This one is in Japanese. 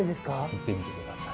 いってみてください。